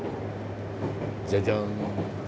じゃじゃん！